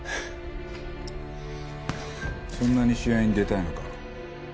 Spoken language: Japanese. そんなに試合に出たいのか。